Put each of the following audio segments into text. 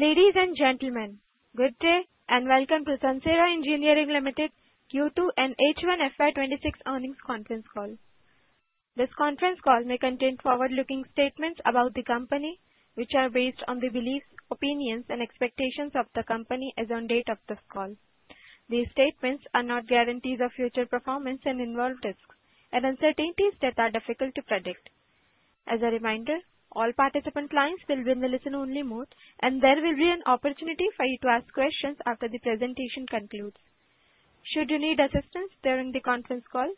Ladies and gentlemen, good day and welcome to Sansera Engineering Limited Q2 and H1FY2026 earnings conference call. This conference call may contain forward-looking statements about the company, which are based on the beliefs, opinions, and expectations of the company as of the date of this call. These statements are not guarantees of future performance and involve risks and uncertainties that are difficult to predict. As a reminder, all participant lines will be in the listen-only mode, and there will be an opportunity for you to ask questions after the presentation concludes. Should you need assistance during the conference call,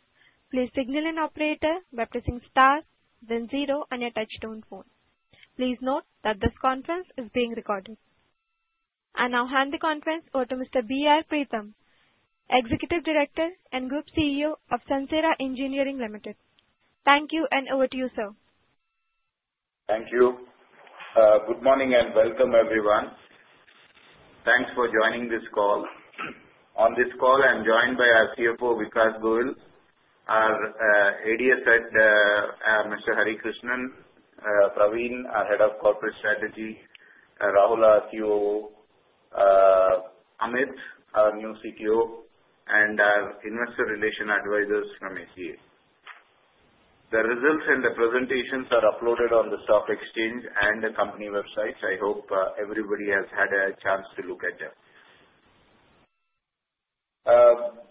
please signal an operator by pressing stars, then zero, and your touch-tone phone. Please note that this conference is being recorded. I now hand the conference over to Mr. B. R. Preetham, Executive Director and Group CEO of Sansera Engineering Limited. Thank you, and over to you, sir. Thank you. Good morning and welcome, everyone. Thanks for joining this call. On this call, I am joined by our CFO, Vikas Goel, our ADS Head, Mr. Hari Krishnan, Praveen, our Head of Corporate Strategy, Rahul, our COO, Amit, our new CTO, and our Investor Relations Advisors from SGA. The Results and the Presentations are uploaded on the Stock Exchange and the company websites. I hope everybody has had a chance to look at them.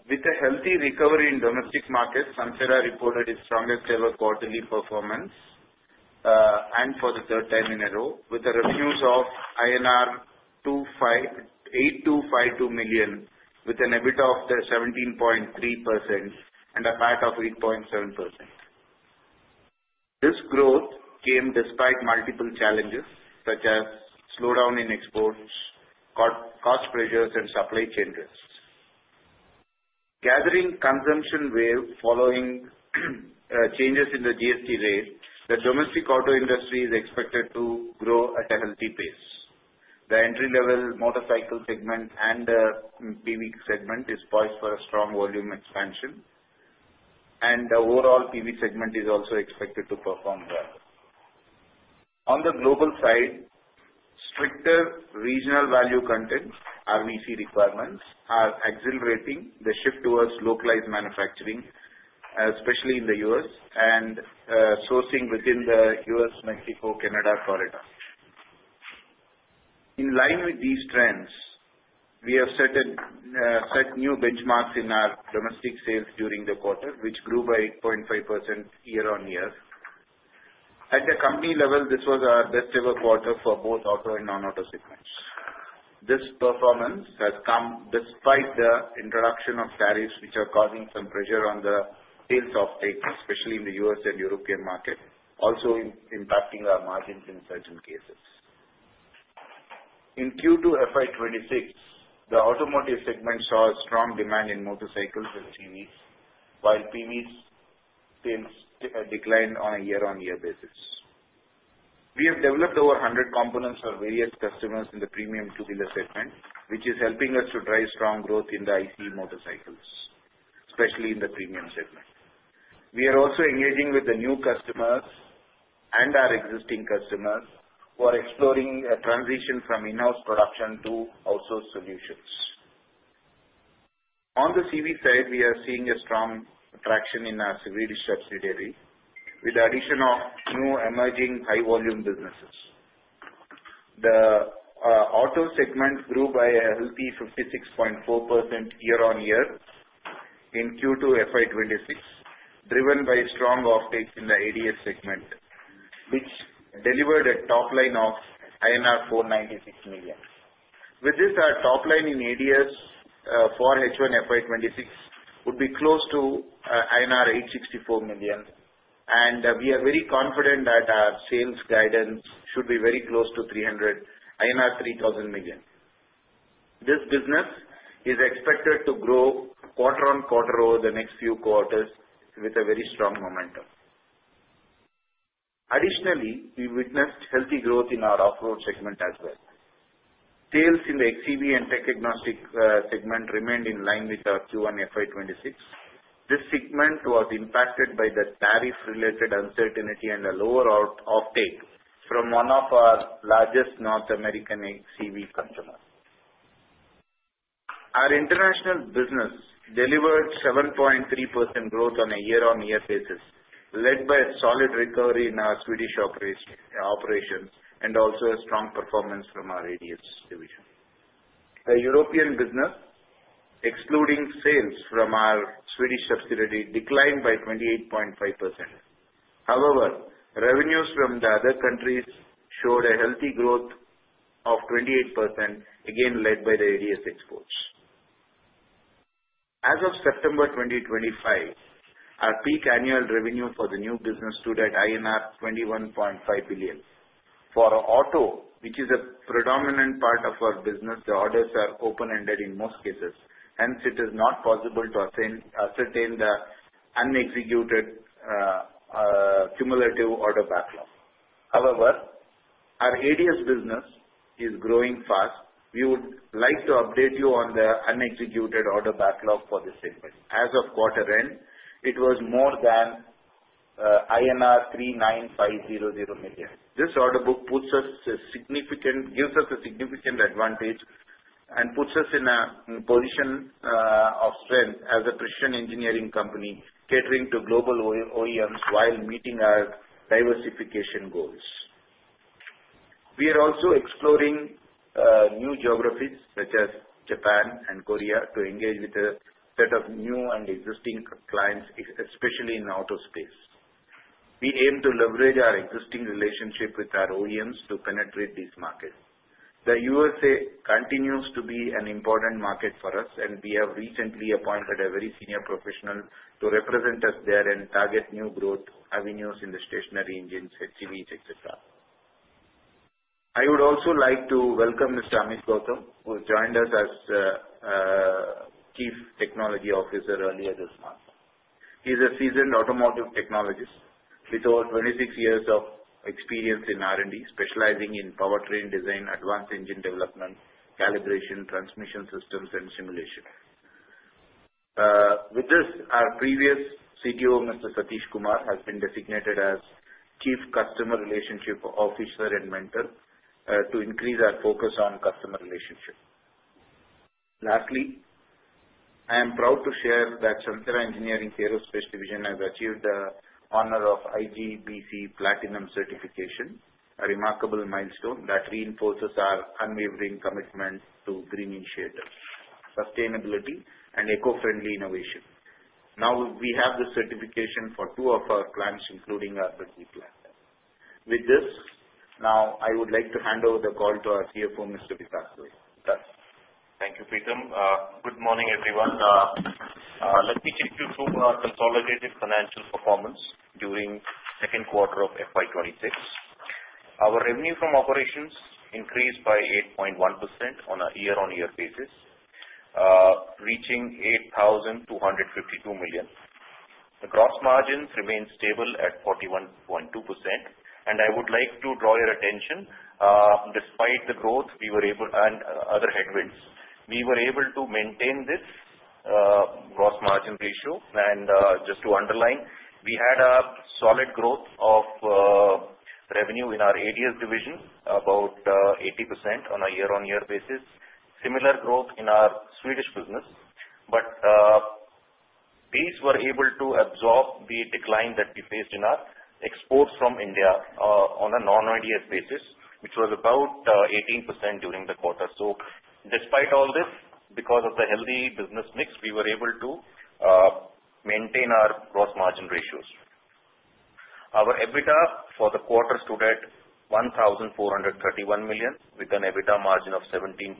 With a healthy recovery in domestic markets, Sansera reported its strongest-ever quarterly performance and for the third time in a row, with a revenues of 8,252 million with an EBITDA of 17.3% and a PAT of 8.7%. This growth came despite multiple challenges such as slowdown in exports, cost pressures, and supply chain risks. Gathering consumption wave following changes in the GST rate, the domestic auto industry is expected to grow at a healthy pace. The entry-level motorcycle segment and the PV segment is poised for a strong volume expansion, and the overall PV segment is also expected to perform well. On the global side, stricter Regional Value Content (RVC) requirements are exhilarating the shift towards localized manufacturing, especially in the U.S., and sourcing within the U.S., Mexico, Canada, and Florida. In line with these trends, we have set new benchmarks in our domestic sales during the quarter, which grew by 8.5% year-on-year. At the company level, this was our best-ever quarter for both auto and non-auto segments. This performance has come despite the introduction of tariffs, which are causing some pressure on the sales offtake, especially in the U.S. and European markets, also impacting our margins in certain cases. In Q2 FY 2026, the automotive segment saw strong demand in motorcycles and CVs, while PVs sale declined on a year-on-year basis. We have developed over 100 components for various customers in the premium two-wheeler segment, which is helping us to drive strong growth in the ICE motorcycles, especially in the premium segment. We are also engaging with the new customers and our existing customers, who are exploring a transition from in-house production to outsource solutions. On the CV side, we are seeing a strong attraction in our CV Swedish subsidiary with the addition of new emerging high-volume businesses. The auto segment grew by a healthy 56.4% year-on-year in Q2 FY 2026, driven by strong offtake in the ADS segment, which delivered a top line of INR 496 million. With this, our top line in ADS for H1FY2026 would be close to INR 864 million, and we are very confident that our sales guidance should be very close to 300, 3000 million. This business is expected to grow quarter-on-quarter over the next few quarters with a very strong momentum. Additionally, we witnessed healthy growth in our off-road segment as well. Sales in the xEV and Tech Agnostic segment remained in line with our Q1 FY2026. This segment was impacted by the tariff-related uncertainty and a lower offtake from one of our largest North American xEV customers. Our international business delivered 7.3% growth on a year-on-year basis, led by a solid recovery in our Swedish operations and also a strong performance from our ADS division. The European business, excluding sales from our Swedish subsidiary, declined by 28.5%. However, revenues from the other countries showed a healthy growth of 28%; again led by the ADS exports. As of September 2025, our peak annual revenue for the new business stood at INR 21.5 billion. For auto, which is a predominant part of our business, the orders are open-ended in most cases. Hence, it is not possible to ascertain the unexecuted cumulative order backlog. However, our ADS business is growing fast. We would like to update you on the unexecuted order backlog for this segment. As of quarter-end, it was more than INR 39,500 million. This order book gives us a significant advantage and puts us in a position of strength as a precision engineering company, catering to global OEMs while meeting our diversification goals. We are also exploring new geographies, such as Japan and Korea, to engage with a set of new and existing clients, especially in auto space. We aim to leverage our existing relationship with our OEMs to penetrate these markets. The U.S.A. continues to be an important market for us, and we have recently appointed a very senior professional to represent us there and target new growth avenues in the stationary engines, HCVs, etc. I would also like to welcome Mr. Amit Gautam, who joined us as Chief Technology Officer earlier this month. He is a seasoned automotive technologist with over 26-years of experience in R&D, specializing in powertrain design, advanced engine development, calibration, transmission systems, and simulation. With this, our previous CTO, Mr. Satish Kumar, has been designated as Chief Customer Relationship Officer and Mentor to increase our focus on customer relationship. Lastly, I am proud to share that Sansera Engineering Aerospace Division has achieved the honor of IGBC Platinum Certification, a remarkable milestone that reinforces our unwavering commitment to green initiatives, sustainability, and eco-friendly innovation. Now, we have the certification for two of our plants, including our Bidadi plant. With this, now I would like to hand over the call to our CFO, Mr. Vikas Goel. Thank you, Preetham. Good morning, everyone. Let me take you through our consolidated financial performance during the second quarter of FY2026. Our revenue from operations increased by 8.1% on a year-on-year basis, reaching 8,252 million. The gross margins remain stable at 41.2% and I would like to draw your attention, despite the growth and other headwinds, we were able to maintain this gross margin ratio. And Just to underline, we had a solid growth of revenue in our ADS division, about 80% on a year-on-year basis, similar growth in our Swedish business, but these were able to absorb the decline that we faced in our exports from India on a non-ADS basis, which was about 18% during the quarter. So, despite all this, because of the healthy business mix, we were able to maintain our gross margin ratios. Our EBITDA for the quarter stood at 1,431 million, with an EBITDA margin of 17.3%.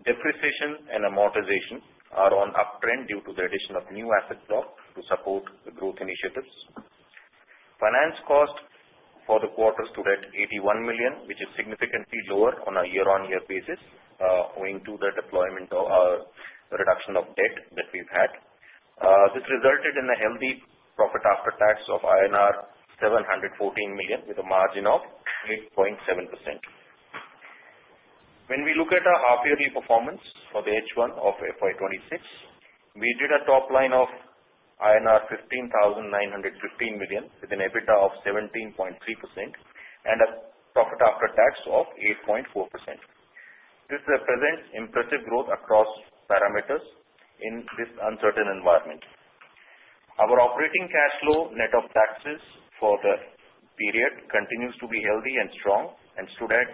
Depreciation and amortization are on uptrend due to the addition of new asset blocks to support the growth initiatives. Finance costs for the quarter stood at 81 million, which is significantly lower on a year-on-year basis, owing to the deployment or reduction of debt that we've had. This resulted in a healthy profit after tax of INR 714 million, with a margin of 8.7%. When we look at our half-yearly performance for the H1 of FY2026, we did a top line of INR 15,915 million with an EBITDA of 17.3% and a profit after tax of 8.4%. This represents impressive growth across parameters in this uncertain environment. Our operating cash flow, net of taxes for the period continues to be healthy and strong, and stood at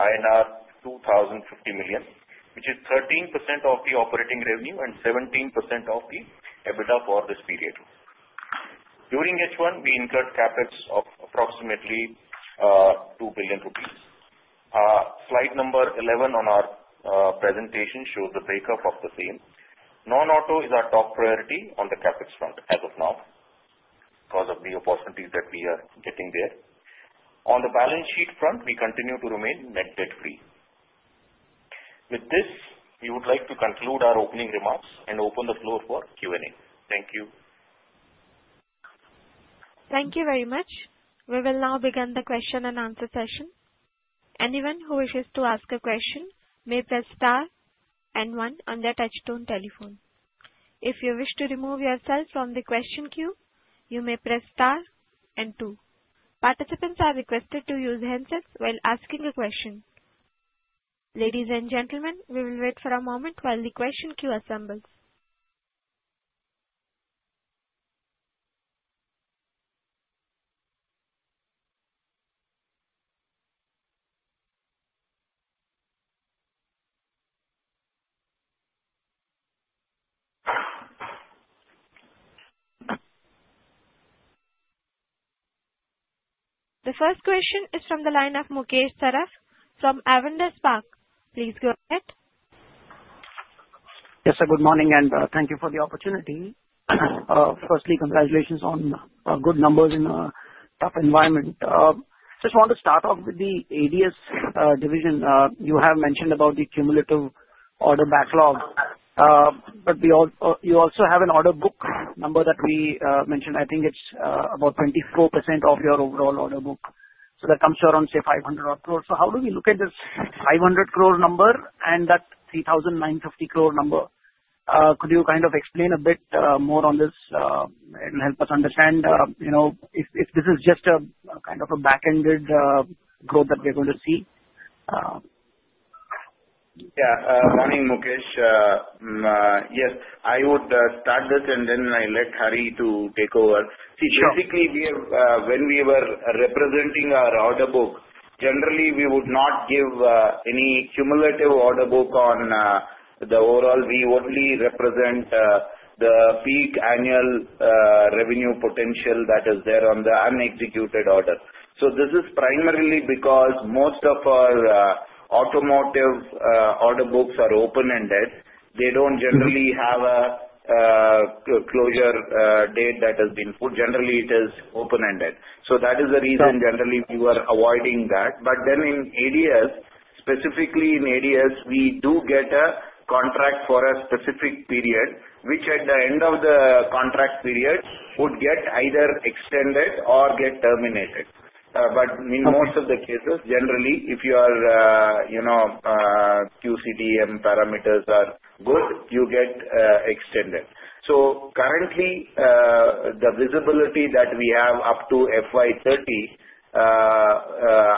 INR 2,050 million, which is 13% of the operating revenue and 17% of the EBITDA for this period. During H1, we incurred CapEx of approximately 2 billion rupees. Slide number 11 on our presentation shows the breakup of the same. Non-auto is our top priority on the CapEx front as of now, because of the opportunities that we are getting there. On the balance sheet front, we continue to remain net debt-free. With this, we would like to conclude our opening remarks and open the floor for Q&A. Thank you. Thank you very much. We will now begin the question-and-answer session. Anyone who wishes to ask a question may press star and one on their touch-tone telephone. If you wish to remove yourself from the question queue, you may press star and two. Participants are requested to use handsets while asking a question. Ladies and gentlemen, we will wait for a moment while the question queue assembles. The first question is from the line of Mukesh Saraf from Avendus Spark. Please go ahead. Yes, Good morning, and thank you for the opportunity. Firstly, congratulations on good numbers in a tough environment. I just want to start off with the ADS division. You have mentioned about the cumulative order backlog, but you also have an order book number that we mentioned; I think it's about 24% of your overall order book. So that comes to around, say, 500-odd crore so. So how do we look at this 500 crore number and that 3,950 crore number, could you kind of explain a bit more on this and it'll help us understand if this is just a kind of a back-ended growth that we're going to see. Yeah. Morning, Mukesh. Yes, I would start this, and then I'll let Hari take over. See, basically, when we were representing our order book, generally, we would not give any cumulative order book on the overall, we only represent the peak annual revenue potential that is there on the unexecuted order. So this is primarily because most of our automotive order books are open-ended, they don't generally have a closure date that has been put. Generally, it is open-ended. So that is the reason, generally we were avoiding that. But then in ADS, specifically in ADS, we do get a contract for a specific period, which at the end of the contract period would get either extended or get terminated. But in most of the cases, generally, if your QCDM parameters are good, you get extended. So, currently, the visibility that we have up to FY2030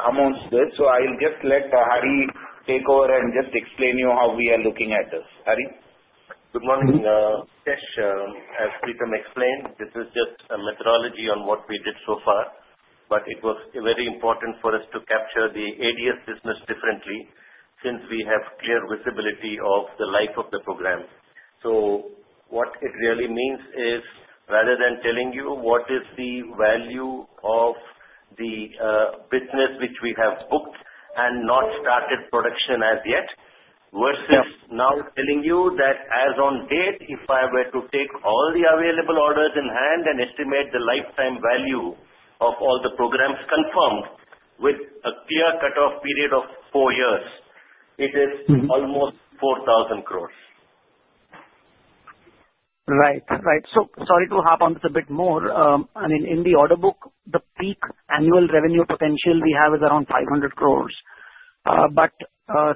amounts to this. So, I'll just let Hari take over and just explain to you how we are looking at this. Hari? Good morning. As Preetham explained, this is just a methodology on what we did so far. But it was very important for us to capture the ADS business differently, since we have clear visibility of the life of the program. So, what it really means is, rather than telling you what is the value of the business which we have booked and not started production as yet, versus now telling you that as on date, if I were to take all the available orders in hand and estimate the lifetime value of all the programs confirmed with a clear cut-off period of four years, it is almost 4,000 crore. Right. Right. So, sorry to harp on this a bit more. I mean, in the order book, the peak annual revenue potential we have is around 500 crores, but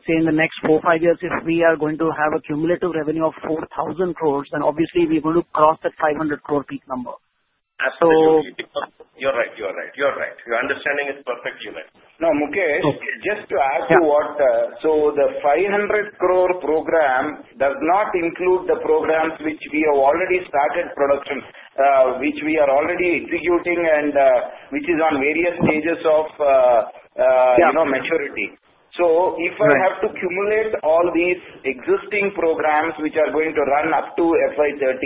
say in the next four, five years, if we are going to have a cumulative revenue of 4,000 crores, then obviously, we're going to cross that 500 crore peak number. Absolutely. You're right. You're right. You're right. Your understanding is perfect, Unit. No, Mukesh, just to add to what, so, the 500 crore program does not include the programs which we have already started production, which we are already executing and which is on various stages of maturity. So, if I have to cumulate all these existing programs which are going to run up to FY2030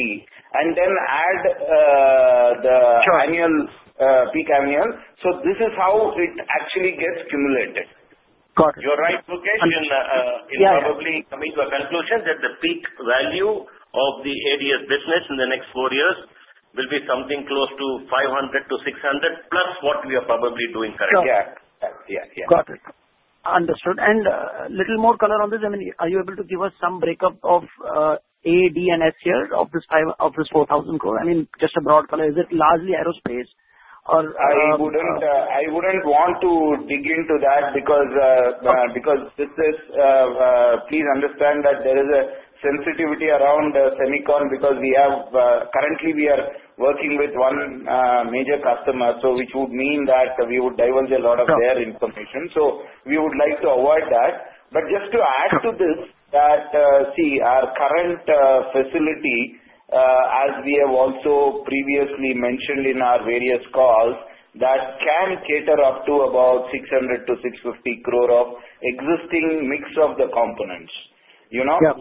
and then add the peak annual, so this is how it actually gets cumulated. You're right, Mukesh. You're probably coming to a conclusion that the peak value of the ADS business in the next four years will be something close to 500 to 600 crore plus what we are probably doing currently. Yeah. Yeah. Yeah. Got it. Understood. And a little more color on this. I mean, are you able to give us some breakup of A, D, and S here of this 4,000 crore? I mean, just a broad color. Is it largely aerospace or? I wouldn't want to dig into that because please understand that there is a sensitivity around Semicon because currently we are working with one major customer, so which would mean that we would divulge a lot of their information, so we would like to avoid that, but just to add to this. See, our current facility, as we have also previously mentioned in our various calls, that can cater up to about 600 to 650 crore of existing mix of the components,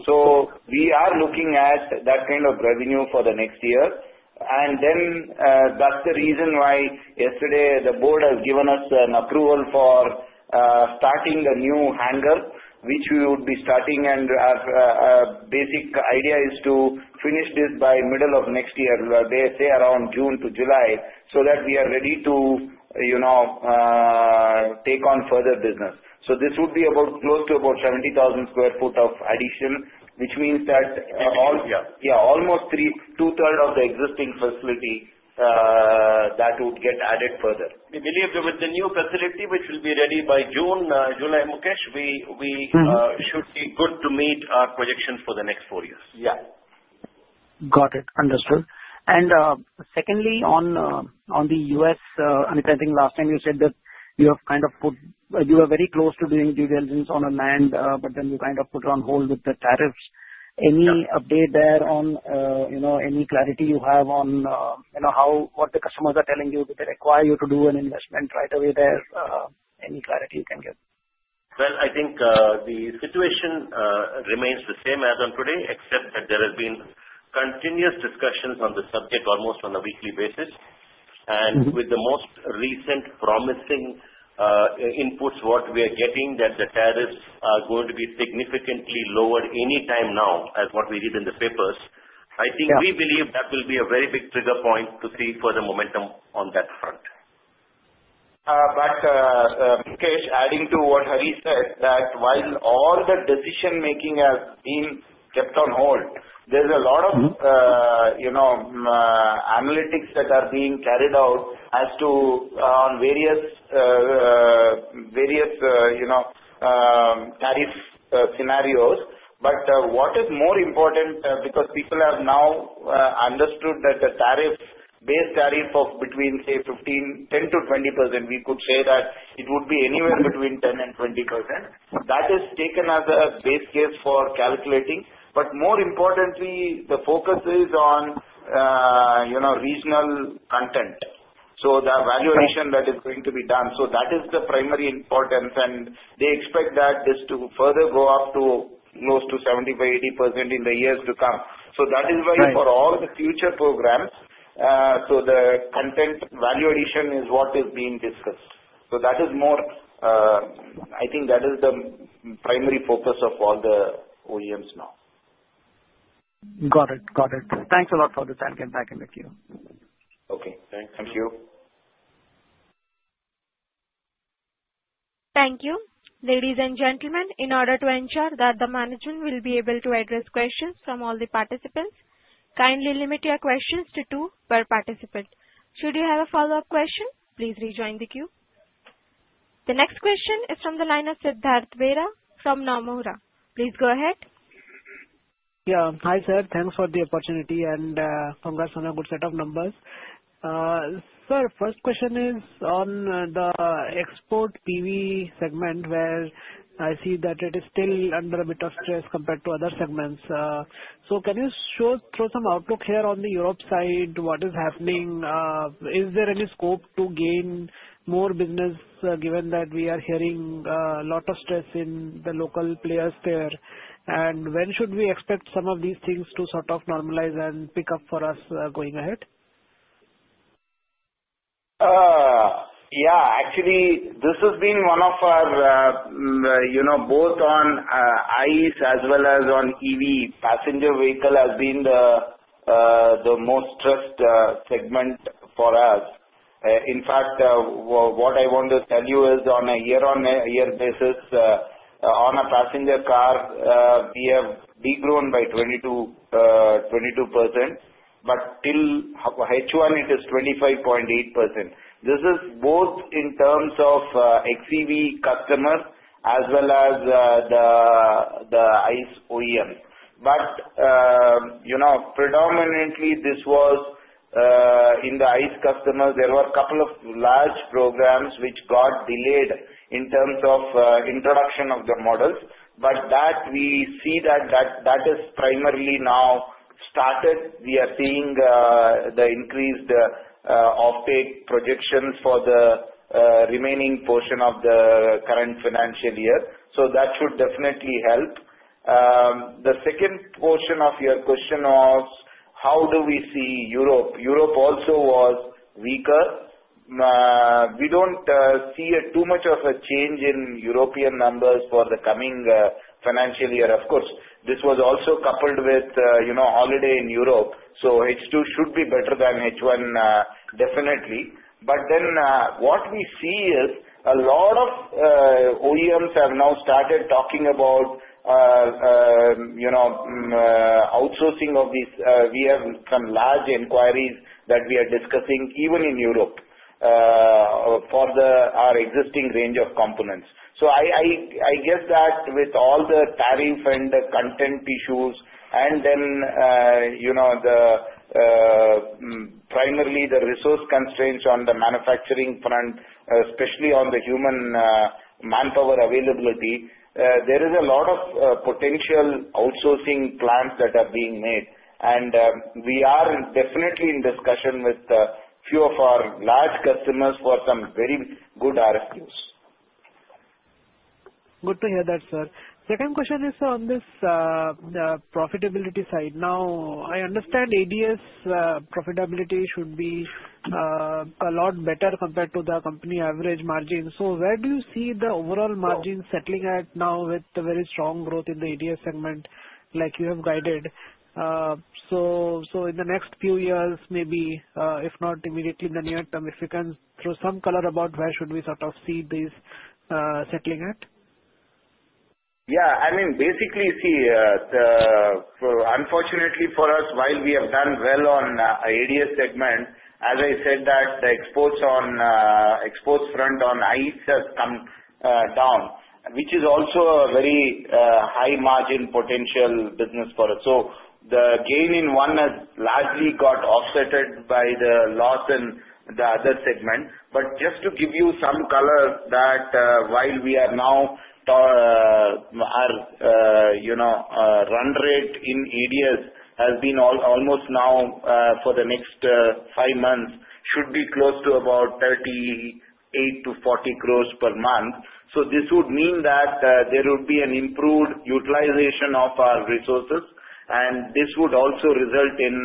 so we are looking at that kind of revenue for the next year, and then that's the reason why yesterday the board has given us an approval for starting the new hangar, which we would be starting, and our basic idea is to finish this by middle of next year, say around June to July, so that we are ready to take on further business. So this would be close to about 70,000 sq ft of addition, which means that almost two-thirds of the existing facility that would get added further. We believe that with the new facility, which will be ready by June, July, Mukesh, we should be good to meet our projections for the next four years. Yeah. Got it. Understood. And secondly, on the U.S., I think last time you said that you were very close to doing due diligence on land, but then you kind of put it on hold with the tariffs. Any update there on any clarity you have on what the customers are telling you that they require you to do an investment right away there? Any clarity you can give? Well, I think the situation remains the same as on today, except that there have been continuous discussions on the subject almost on a weekly basis, and with the most recent promising inputs, what we are getting that the tariffs are going to be significantly lowered anytime now, as what we read in the papers. I think we believe that will be a very big trigger point to see further momentum on that front. But Mukesh, adding to what Hari said, that while all the decision-making has been kept on hold, there's a lot of analytics that are being carried out as to various tariff scenarios. But what is more important, because people have now understood that the tariff, base tariff of between, say, 10% to 20%, we could say that it would be anywhere between 10% and 20%. That is taken as a base case for calculating. But more importantly, the focus is on regional content. So the evaluation that is going to be done. So that is the primary importance. And they expect that this to further go up to close to 70% to 80% in the years to come. So that is why for all the future programs, so the content value addition is what is being discussed. So that is more, I think, that is the primary focus of all the OEMs now. Got it. Got it. Thanks a lot for this. I'll get back in with you. Okay. Thank you. Thank you. Ladies and gentlemen, in order to ensure that the management will be able to address questions from all the participants, kindly limit your questions to two per participant. Should you have a follow-up question, please rejoin the queue. The next question is from the line of Siddhartha Bera from Nomura. Please go ahead. Yeah. Hi, sir. Thanks for the opportunity and congrats on a good set of numbers. Sir, first question is on the export PV segment, where I see that it is still under a bit of stress compared to other segments. So can you throw some outlook here on the Europe side? What is happening? Is there any scope to gain more business given that we are hearing a lot of stress in the local players there? And when should we expect some of these things to sort of normalize and pick up for us going ahead? Yeah. Actually, this has been one of our both on ICE as well as on EV. Passenger vehicle has been the most stressed segment for us. In fact, what I want to tell you is on a year-on-year basis, on a passenger car, we have de-grown by 22%, but till H1, it is 25.8%. This is both in terms of XEV customers as well as the ICE OEM, but predominantly, this was in the ICE customers. There were a couple of large programs which got delayed in terms of introduction of the models, but we see that that is primarily now started. We are seeing the increased off-take projections for the remaining portion of the current financial year, so that should definitely help. The second portion of your question was, how do we see Europe? Europe also was weaker. We don't see too much of a change in European numbers for the coming financial year. Of course, this was also coupled with holiday in Europe. So H2 should be better than H1, definitely. But then what we see is a lot of OEMs have now started talking about outsourcing of these. We have some large inquiries that we are discussing even in Europe for our existing range of components. So I guess that with all the tariff and the content issues, and then primarily the resource constraints on the manufacturing front, especially on the human manpower availability, there is a lot of potential outsourcing plans that are being made. And we are definitely in discussion with a few of our large customers for some very good RFQs. Good to hear that, sir. Second question is on this profitability side. Now, I understand ADS profitability should be a lot better compared to the company average margin. So where do you see the overall margin settling at now with the very strong growth in the ADS segment like you have guided? So in the next few years, maybe, if not immediately in the near-term, if you can throw some color about where should we sort of see this settling at? Yeah. I mean, basically, see, unfortunately for us, while we have done well on ADS segment, as I said, that the exports front on ICE has come down, which is also a very high-margin potential business for us. So the gain in one has largely got off-setted by the loss in the other segment. But just to give you some color, that while we are now our run rate in ADS has been almost now for the next five months should be close to about 38-40 crore per month. So this would mean that there would be an improved utilization of our resources. And this would also result in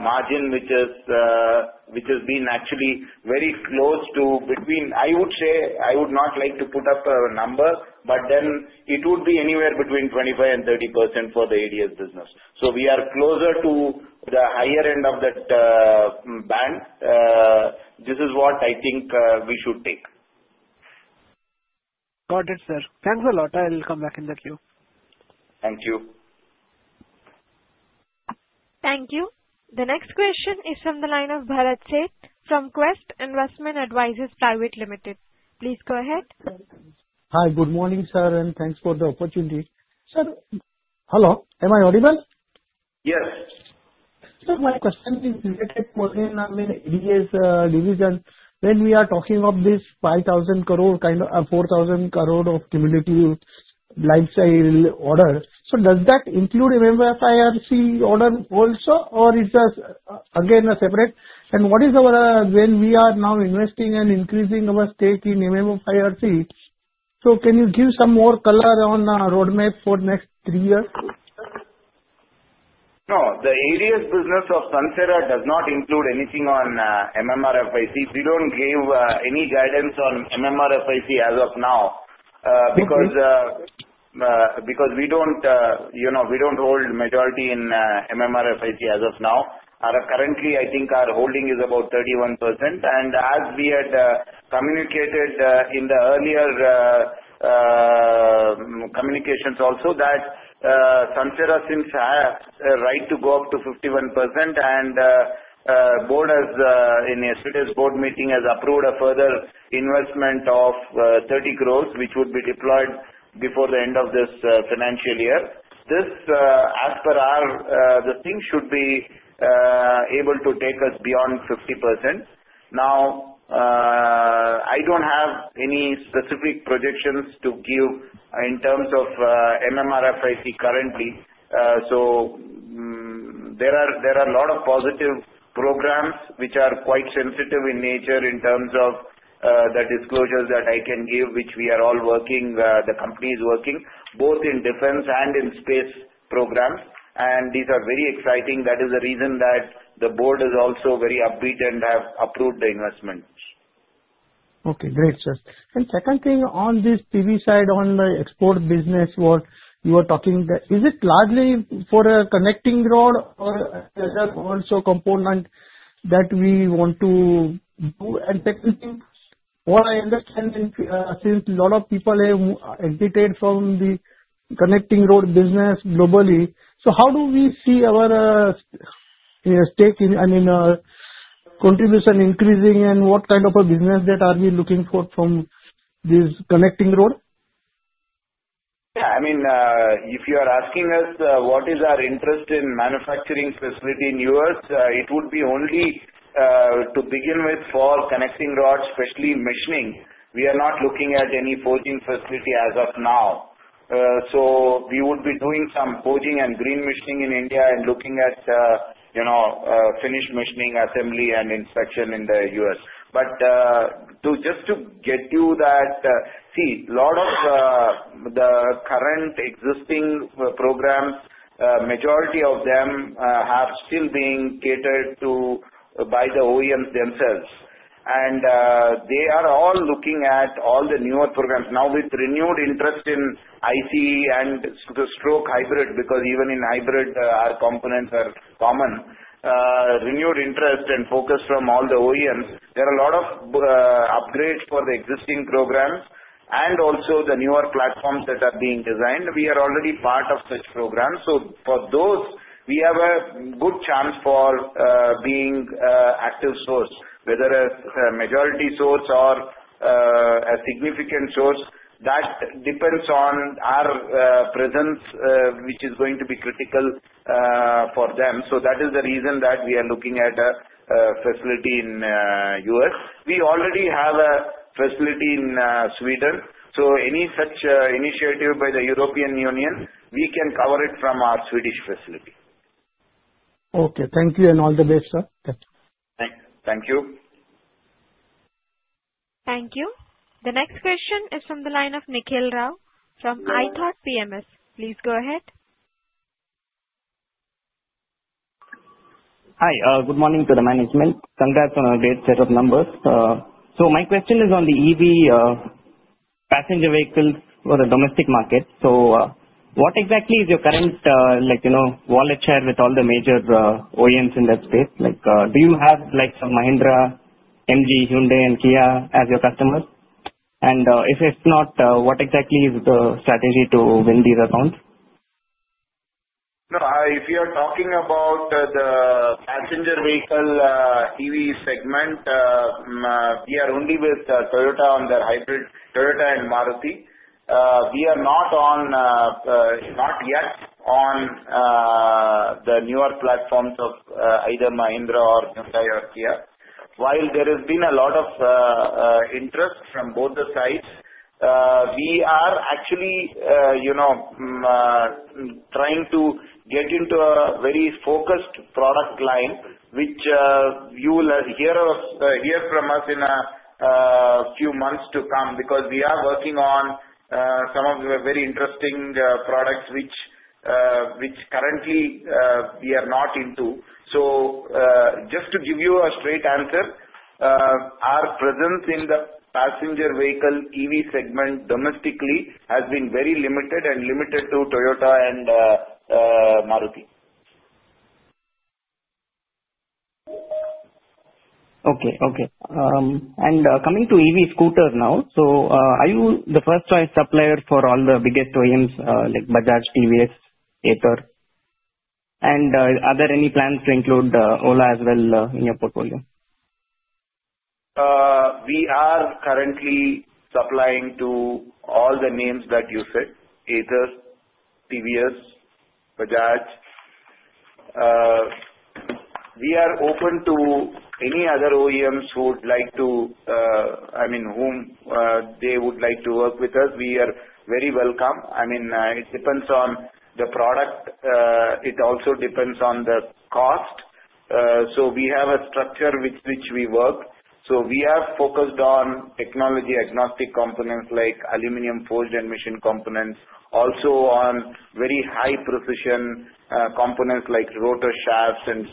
margin which has been actually very close to between, I would say, I would not like to put up a number, but then it would be anywhere between 25% and 30% for the ADS business. We are closer to the higher end of that band. This is what I think we should take. Got it, sir. Thanks a lot. I'll come back in the queue. Thank you. Thank you. The next question is from the line of Bharat Sheth from Quest Investment Advisors Private Limited. Please go ahead. Hi. Good morning, sir. And thanks for the opportunity. Sir, hello. Am I audible? Yes. Sir, my question is related more in the ADS division. When we are talking of this 5,000 crore kind of 4,000 crore of cumulative lifestyle order, so does that include MMRFIC order also, or is that again a separate? And what is our when we are now investing and increasing our stake in MMRFIC, so can you give some more color on the roadmap for next three years? No. The ADS business of Sansera does not include anything on MMRFIC. We don't give any guidance on MMRFIC as of now because we don't hold majority in MMRFIC as of now. Currently, I think our holding is about 31%. And as we had communicated in the earlier communications also that Sansera seems to have a right to go up to 51%. And the board in yesterday's board meeting has approved a further investment of 30 crore, which would be deployed before the end of this financial year. This, as per our thinking should be able to take us beyond 50%. Now, I don't have any specific projections to give in terms of MMRFIC currently. There are a lot of positive programs which are quite sensitive in nature in terms of the disclosures that I can give, which we are all working, the company is working, both in defense and in space programs. These are very exciting. That is the reason that the board is also very upbeat and have approved the investment. Okay. Great, sir. And second thing on this PV side on the export business, what you were talking, is it largely for a connecting rod or there's also a component that we want to do? And second thing, what I understand since a lot of people have exited from the connecting rod business globally, so how do we see our stake in, I mean, contribution increasing and what kind of a business that are we looking for from this connecting rod? Yeah. I mean, if you are asking us what is our interest in manufacturing facility in the U.S., it would be only to begin with for connecting rods, especially machining. We are not looking at any forging facility as of now. So we would be doing some forging and green machining in India and looking at finished machining assembly and inspection in the U.S.. But just to give you that, see, a lot of the current existing programs, majority of them have still been catered to by the OEMs themselves. And they are all looking at all the newer programs. Now, with renewed interest in ICE and strong hybrid, because even in hybrid, our components are common, renewed interest and focus from all the OEMs, there are a lot of upgrades for the existing programs and also the newer platforms that are being designed. We are already part of such programs. So for those, we have a good chance for being active source, whether a majority source or a significant source. That depends on our presence, which is going to be critical for them. So that is the reason that we are looking at a facility in the U.S. We already have a facility in Sweden. So any such initiative by the European Union, we can cover it from our Swedish facility. Okay. Thank you. And all the best, sir. Thank you. Thank you. The next question is from the line of Nikhil Rao from iThought PMS. Please go ahead. Hi. Good morning to the management. Congrats on a great set of numbers, so my question is on the EV passenger vehicles for the domestic market. So what exactly is your current wallet share with all the major OEMs in that space? Do you have Mahindra, MG, Hyundai, and Kia as your customers? and if it's not, what exactly is the strategy to win these accounts? No. If you are talking about the passenger vehicle EV segment, we are only with Toyota on the hybrid, Toyota and Maruti. We are not yet on the newer platforms of either Mahindra or Hyundai or Kia. While there has been a lot of interest from both the sides, we are actually trying to get into a very focused product line, which you will hear from us in a few months to come because we are working on some of the very interesting products which currently we are not into. So just to give you a straight answer, our presence in the passenger vehicle EV segment domestically has been very limited and limited to Toyota and Maruti. Okay. And coming to EV scooters now, so are you the first choice supplier for all the biggest OEMs like Bajaj, TVS, Ather? And are there any plans to include Ola as well in your portfolio? We are currently supplying to all the names that you said: Ather, TVS, Bajaj. We are open to any other OEMs who would like to, I mean, whom they would like to work with us. We are very welcome. I mean, it depends on the product. It also depends on the cost. We have a structure with which we work. We have focused on technology-agnostic components like aluminum forged and machined components, also on very high-precision components like rotor shafts and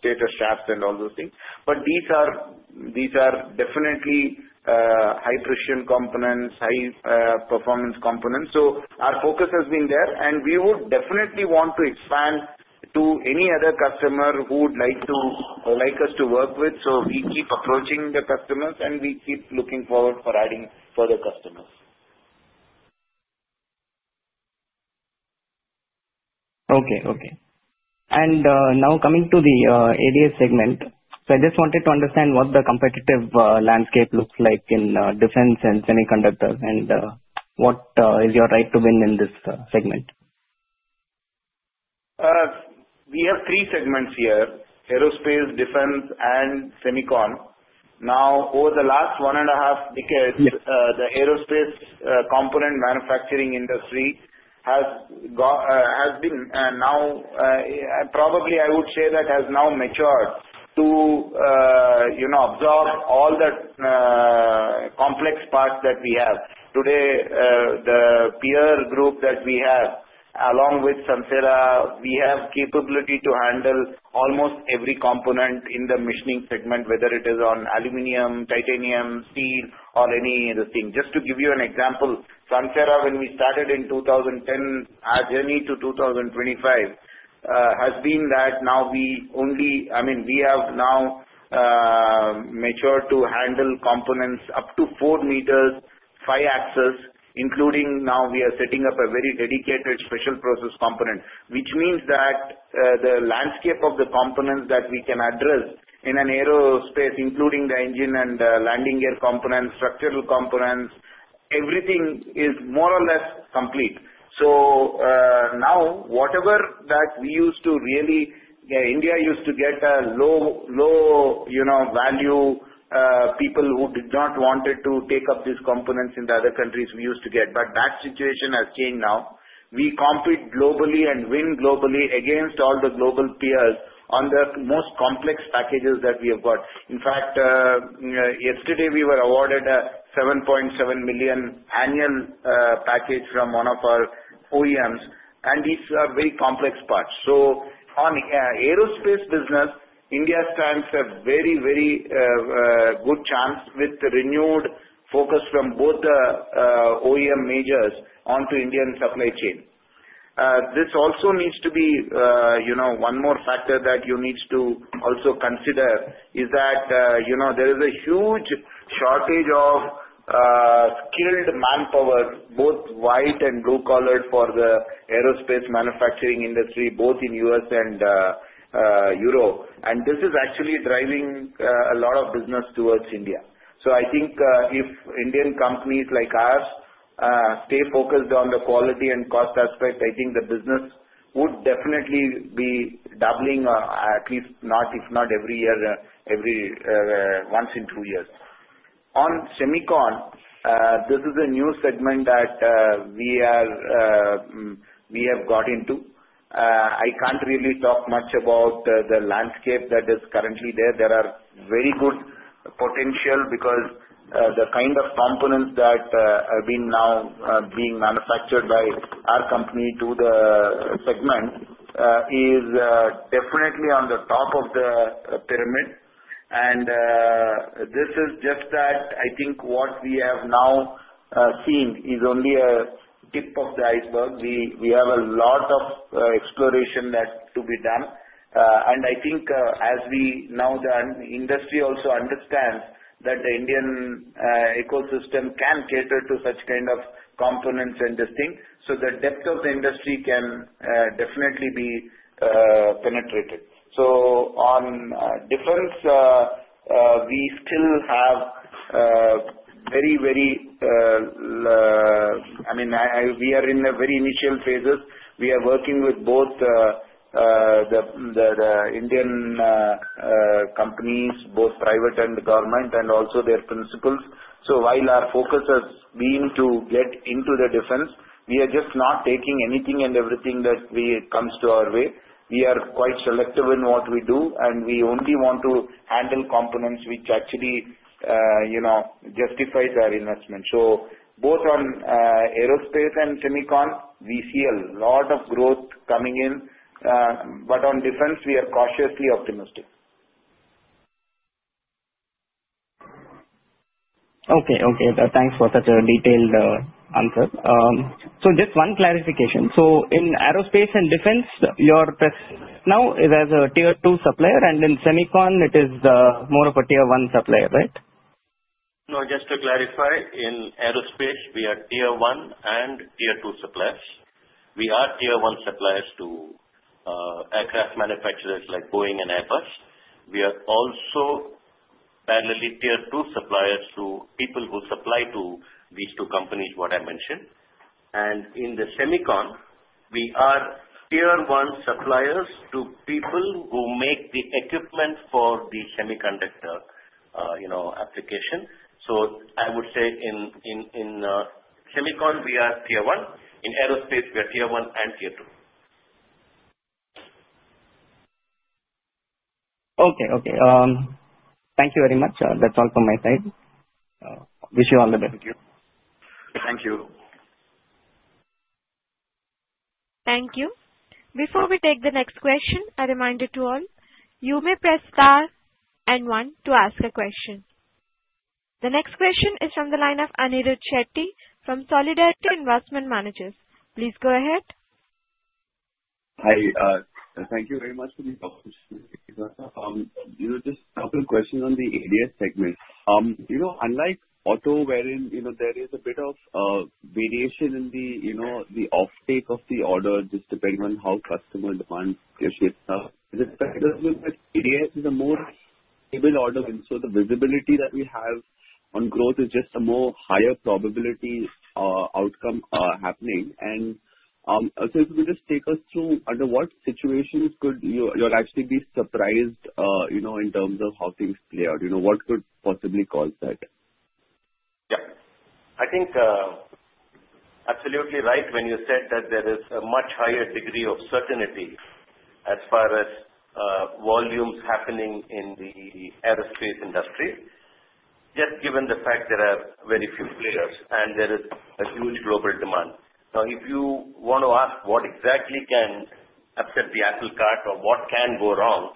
stator shafts and all those things. These are definitely high precision components, high performance components. Our focus has been there. We would definitely want to expand to any other customer who would like us to work with. We keep approaching the customers, and we keep looking forward for adding further customers. Okay. Okay, and now coming to the ADS segment, so I just wanted to understand what the competitive landscape looks like in defense and semiconductors and what is your right-to-win in this segment? We have three segments here: aerospace, defense, and Semicon. Now, over the last one and a half decades, the aerospace component manufacturing industry has been now, probably I would say that has now matured to absorb all the complex parts that we have. Today, the peer group that we have, along with Sansera, we have capability to handle almost every component in the machining segment, whether it is aluminum, titanium, steel, or any other thing. Just to give you an example, Sansera, when we started in 2010, our journey to 2025 has been that now we only, I mean, we have now matured to handle components up to four meters, five axes, including now we are setting up a very dedicated special process component, which means that the landscape of the components that we can address in an aerospace, including the engine and landing gear components, structural components, everything is more or less complete. So now whatever that we used to really India used to get a low value people who did not want to take up these components in the other countries we used to get. But that situation has changed now. We compete globally and win globally against all the global peers on the most complex packages that we have got. In fact, yesterday we were awarded a 7.7 million annual package from one of our OEMs. And these are very complex parts. So on the aerospace business, India stands a very, very good chance with the renewed focus from both the OEM majors onto Indian supply chain. This also needs to be one more factor that you need to also consider is that there is a huge shortage of skilled manpower, both white and blue collar for the aerospace manufacturing industry, both in the U.S. and Europe. And this is actually driving a lot of business towards India. So I think if Indian companies like ours stay focused on the quality and cost aspect, I think the business would definitely be doubling, at least not if not every year, every once in two years. On semicom, this is a new segment that we have got into. I can't really talk much about the landscape that is currently there. There are very good potential because the kind of components that have been now being manufactured by our company to the segment is definitely on the top of the pyramid, and this is just that I think what we have now seen is only a tip of the iceberg. We have a lot of exploration that to be done, and I think as we know the industry also understands that the Indian ecosystem can cater to such kind of components and this thing, so the depth of the industry can definitely be penetrated, so on defense, we still have very, very. I mean, we are in the very initial phases. We are working with both the Indian companies, both private and government, and also their principals. So while our focus has been to get into the defense, we are just not taking anything and everything that comes to our way. We are quite selective in what we do, and we only want to handle components which actually justifies our investment. So both on aerospace and semicom, we see a lot of growth coming in. But on defense, we are cautiously optimistic. Okay. Thanks for such a detailed answer. So just one clarification. So in aerospace and defense, you are now as a tier two supplier, and in semicom, it is more of a tier one supplier, right? No. Just to clarify, in aerospace, we are Tier-1 and Tier-2 suppliers. We are Tier-1 suppliers to aircraft manufacturers like Boeing and Airbus. We are also primarily Tier-2 suppliers to people who supply to these two companies what I mentioned, and in the semicom, we are Tier-1 suppliers to people who make the equipment for the semiconductor application, so I would say in semicom, we are Tier-1. In aerospace, we are Tier-1 and Tier-2. Okay. Okay. Thank you very much. That's all from my side. Wish you all the best. Thank you. Thank you. Thank you. Before we take the next question, a reminder to all, you may press star and one to ask a question. The next question is from the line of Anirudh Shetty from Solidarity Investment Managers. Please go ahead. Hi. Thank you very much for the help. You know, just a couple of questions on the ADS segment. Unlike auto, wherein there is a bit of variation in the offtake of the order just depending on how customer demands their ships, with respect to ADS, it's a more stable order, and so the visibility that we have on growth is just a more higher probability outcome happening, and so if you could just take us through under what situations could you actually be surprised in terms of how things play out? What could possibly cause that? Yeah. I think absolutely right when you said that there is a much higher degree of certainty as far as volumes happening in the aerospace industry, just given the fact there are very few players and there is a huge global demand. Now, if you want to ask what exactly can upset the apple cart or what can go wrong,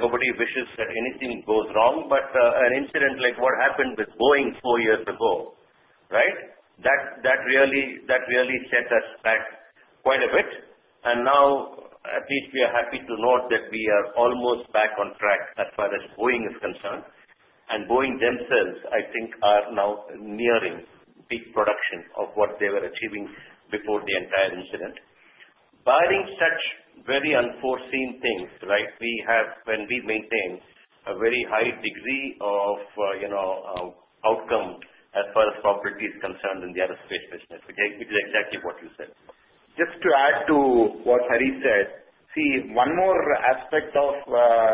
nobody wishes that anything goes wrong. But an incident like what happened with Boeing four years ago, right, that really set us back quite a bit. And now, at least we are happy to note that we are almost back on track as far as Boeing is concerned. And Boeing themselves, I think, are now nearing peak production of what they were achieving before the entire incident. Barring such very unforeseen things, right, we have been maintained a very high degree of outcome as far as property is concerned in the aerospace business, which is exactly what you said. Just to add to what Hari said, see, one more aspect of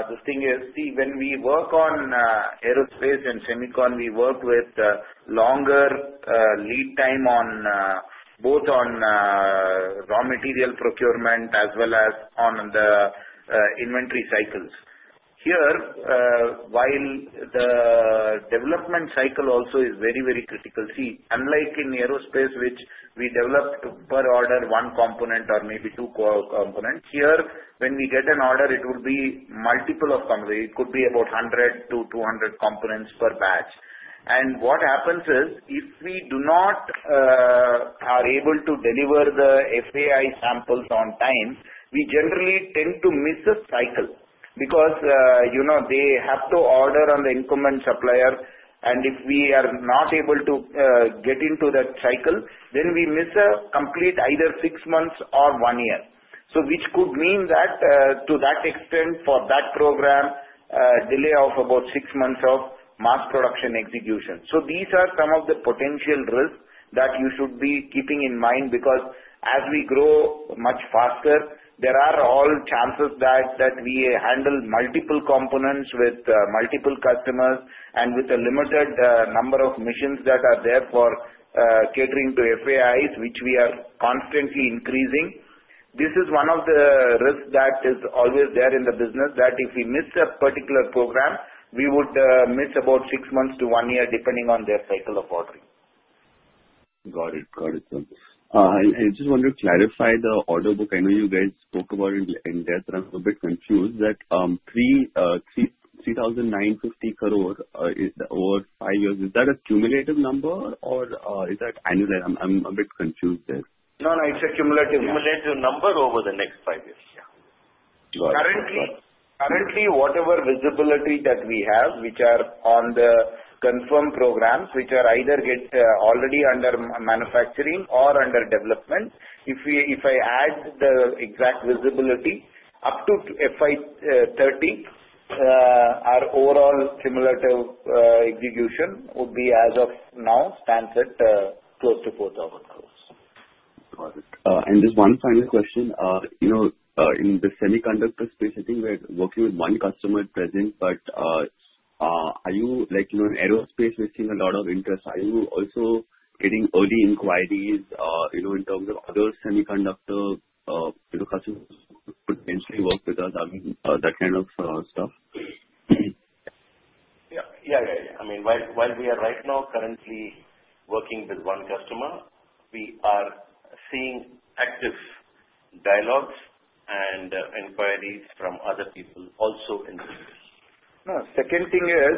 this thing is, see, when we work on aerospace and semicom, we work with longer lead time both on raw material procurement as well as on the inventory cycles. Here, while the development cycle also is very, very critical, see, unlike in aerospace, which we develop per order one component or maybe two components, here, when we get an order, it will be multiple of components. It could be about 100 to 200 components per batch. What happens is if we are not able to deliver the FAI samples on time, we generally tend to miss a cycle because they have to order on the interim supplier. If we are not able to get into that cycle, then we miss a complete either six months or one year. Which could mean that to that extent for that program, delay of about six months of mass production execution. These are some of the potential risks that you should be keeping in mind because as we grow much faster, there are all chances that we handle multiple components with multiple customers and with a limited number of machines that are there for catering to FAIs, which we are constantly increasing. This is one of the risks that is always there in the business that if we miss a particular program, we would miss about six months to one year depending on their cycle of ordering. Got it. Got it. I just want to clarify the order book. I know you guys spoke about it in depth. I'm a bit confused that 3,950 crore over five years, is that a cumulative number or is that annually? I'm a bit confused there. No, no. It's a cumulative number over the next five years. Yeah. Currently, whatever visibility that we have, which are on the confirmed programs, which are either already under manufacturing or under development, if I add the exact visibility up to FY2030, our overall cumulative execution would be as of now, stands at, close to 4,000 crores. Got it. And just one final question. In the semiconductor space, I think we're working with one customer at present, but are you like in aerospace, we're seeing a lot of interest. Are you also getting early inquiries in terms of other semiconductor customers who potentially work with us, that kind of stuff? I mean, while we are right now currently working with one customer, we are seeing active dialogues and inquiries from other people also in the space. Now, second thing is,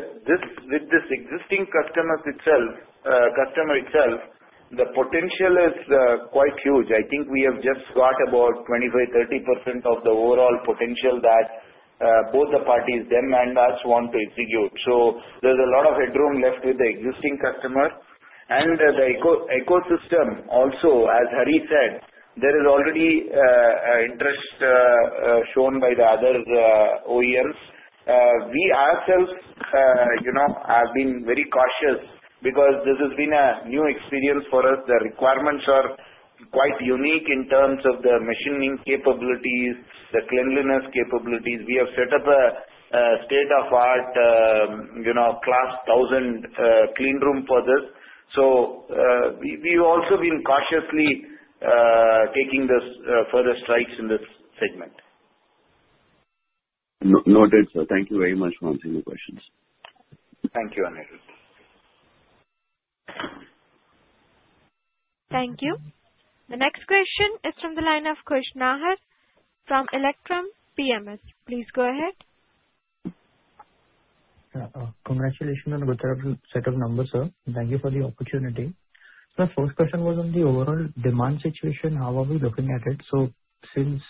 with this existing customer itself, the potential is quite huge. I think we have just got about 25% to 30% of the overall potential that both the parties, them and us, want to execute. So there's a lot of headroom left with the existing customer. And the ecosystem also, as Hari said, there is already interest shown by the other OEMs. We ourselves have been very cautious because this has been a new experience for us. The requirements are quite unique in terms of the machining capabilities, the cleanliness capabilities. We have set up a state-of-the-art class 1000 cleanroom for this. So we've also been cautiously taking further strides in this segment. Noted. So thank you very much for answering the questions. Thank you, Aniruddh. Thank you. The next question is from the line of Khush Nahar from Electrum PMS. Please go ahead. Congratulations on a good set of numbers, sir. Thank you for the opportunity, so the first question was on the overall demand situation, how are we looking at it, so since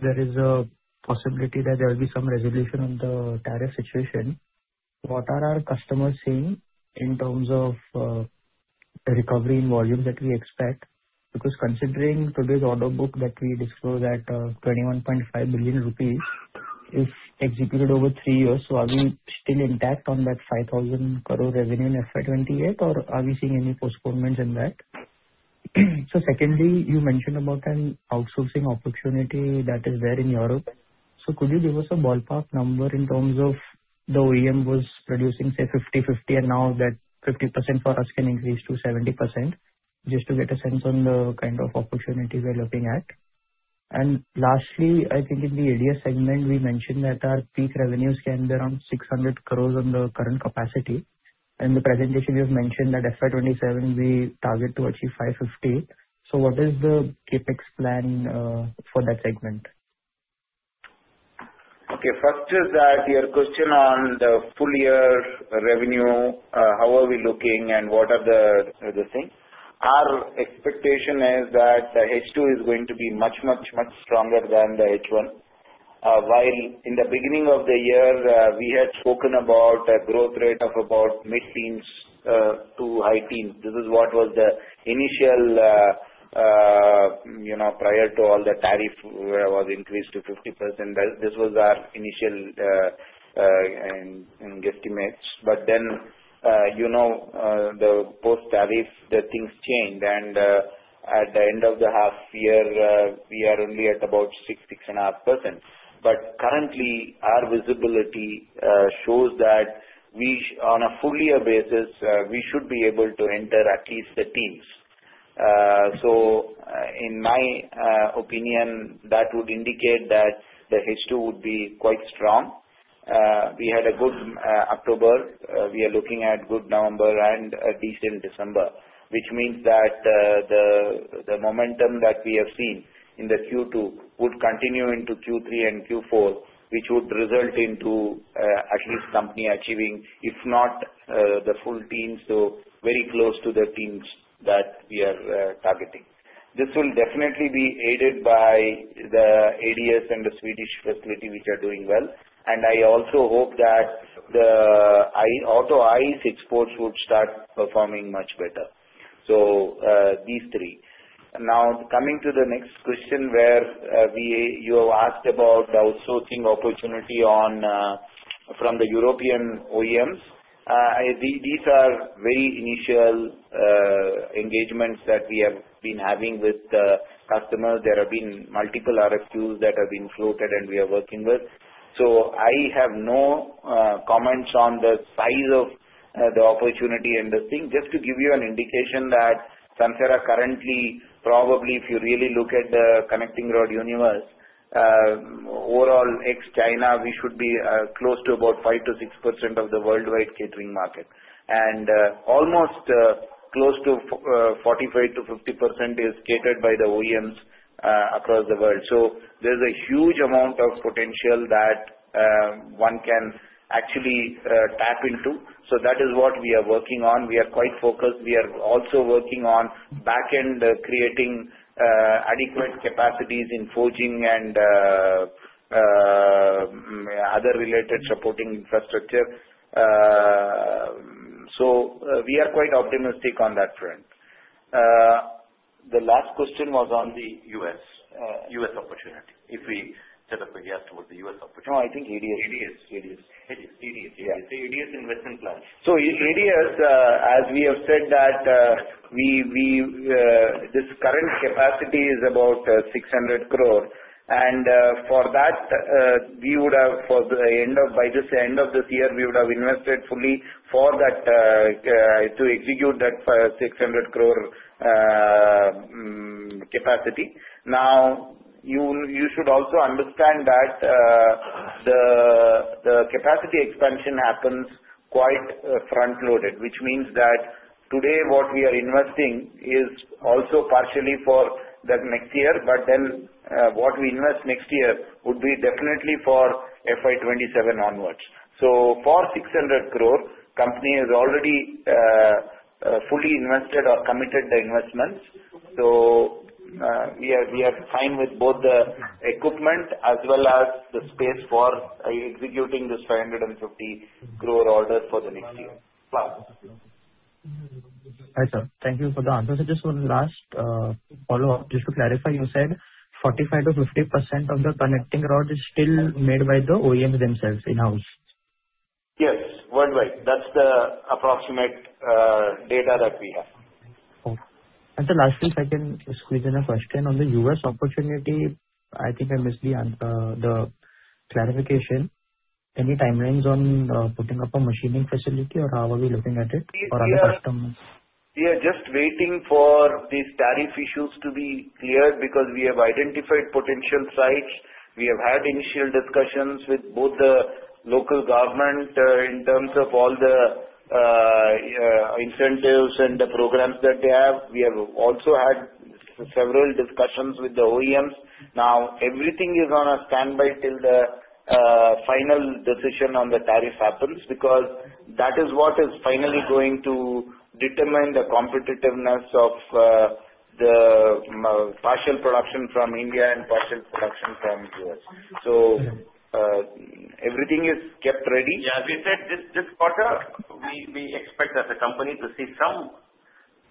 there is a possibility that there will be some resolution on the tariff situation, what are our customers saying in terms of the recovery in volume that we expect? Because considering today's order book that we disclosed at 21.5 billion rupees, if executed over three years, so are we still intact on that 5,000 crore revenue in FY2028, or are we seeing any postponements in that, so secondly, you mentioned about an outsourcing opportunity that is there in Europe, so could you give us a ballpark number in terms of the OEM was producing, say, 50/50, and now that 50% for us can increase to 70%, just to get a sense on the kind of opportunity we're looking at? Lastly, I think in the ADS segment, we mentioned that our peak revenues can be around 600 crore on the current capacity. In the presentation, you have mentioned that FY2027, we target to achieve 550. So what is the CapEx plan for that segment? Okay. First is that your question on the full year revenue, how are we looking, and what are the things? Our expectation is that the H2 is going to be much, much, much stronger than the H1. While in the beginning of the year, we had spoken about a growth rate of about mid-teens to high-teens. This is what was the initial prior to all the tariff was increased to 50%. This was our initial guesstimates. But then the post-tariff, the things changed. And at the end of the half year, we are only at about 6 to 6.5%. But currently, our visibility shows that on a full year basis, we should be able to enter at least the teens. So in my opinion, that would indicate that the H2 would be quite strong. We had a good October. We are looking at a good November and a decent December, which means that the momentum that we have seen in the Q2 would continue into Q3 and Q4, which would result in at least the company achieving, if not the full teens, so very close to the teens that we are targeting. This will definitely be aided by the ADS and the Swedish facility, which are doing well, and I also hope that the auto ICE exports would start performing much better. So these three. Now, coming to the next question where you have asked about the outsourcing opportunity from the European OEMs, these are very initial engagements that we have been having with the customers. There have been multiple RFQs that have been floated, and we are working with. So I have no comments on the size of the opportunity and the thing. Just to give you an indication that Sansera currently, probably if you really look at the connecting rod universe, overall ex-China, we should be close to about 5% to 6% of the worldwide connecting rod market. And almost close to 45% to 50% is captured by the OEMs across the world. So there's a huge amount of potential that one can actually tap into. So that is what we are working on. We are quite focused. We are also working on back-end creating adequate capacities in forging and other related supporting infrastructure. So we are quite optimistic on that front. The last question was on the US opportunity. If we size up the US opportunity. No, I think ADS. ADS ADS investment plan. So ADS, as we have said, that this current capacity is about 600 crore. And for that, we would have by the end of this year, we would have invested fully for that to execute that 600 crore capacity. Now, you should also understand that the capacity expansion happens quite front-loaded, which means that today what we are investing is also partially for the next year, but then what we invest next year would be definitely for FY2027 onwards. So for 600 crore, the company has already fully invested or committed the investments. So we are fine with both the equipment as well as the space for executing this 550 crore order for the next year. Thanks, sir. Thank you for the answer. So just one last follow-up. Just to clarify, you said 45%-50% of the connecting rod is still made by the OEMs themselves in-house. Yes. Worldwide. That's the approximate data that we have. The last thing I can squeeze in a question on the U.S. opportunity. I think I missed the clarification. Any timelines on putting up a machining facility or how are we looking at it or other customers? We are just waiting for these tariff issues to be cleared because we have identified potential sites. We have had initial discussions with both the local government in terms of all the incentives and the programs that they have. We have also had several discussions with the OEMs. Now, everything is on a standby till the final decision on the tariff happens because that is what is finally going to determine the competitiveness of the partial production from India and partial production from the U.S., so everything is kept ready. Yeah. As we said, this quarter, we expect as a company to see some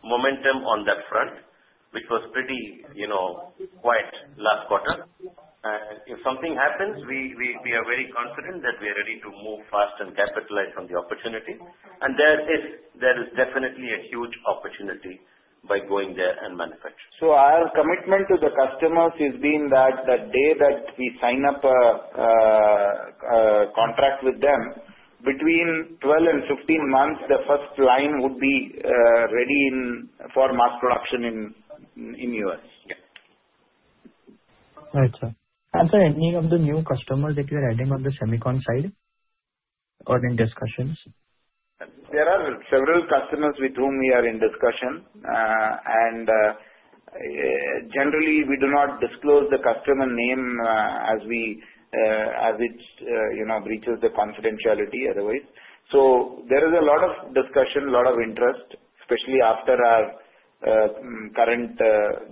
momentum on that front, which was pretty quiet last quarter. And if something happens, we are very confident that we are ready to move fast and capitalize on the opportunity. And there is definitely a huge opportunity by going there and manufacturing. So our commitment to the customers has been that the day that we sign up a contract with them, between 12 and 15 months, the first line would be ready for mass production in the U.S. Right. Sir, and sir, any of the new customers that you are adding on the Semicon side or in discussions? There are several customers with whom we are in discussion and generally, we do not disclose the customer name as it breaches the confidentiality otherwise, so there is a lot of discussion, a lot of interest, especially after our current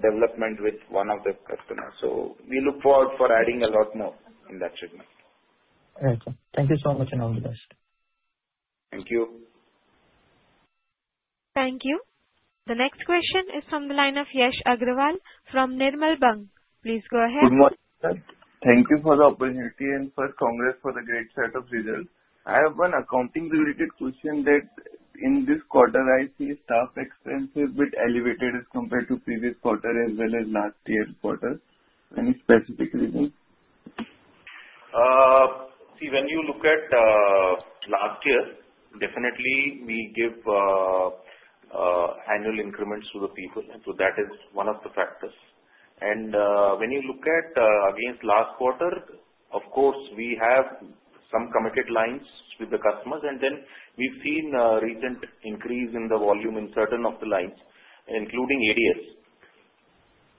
development with one of the customers, so we look forward to adding a lot more in that segment. Right. Thank you so much and all the best. Thank you. Thank you. The next question is from the line of Yash Agarwal from Nirmal Bang. Please go ahead. Good morning, sir. Thank you for the opportunity and, first, congrats for the great set of results. I have one accounting-related question that in this quarter, I see staff expenses a bit elevated as compared to previous quarter as well as last year's quarter. Any specific reason? See, when you look at last year, definitely, we gave annual increments to the people. So that is one of the factors. And when you look at against last quarter, of course, we have some committed lines with the customers. And then we've seen a recent increase in the volume in certain of the lines, including ADS,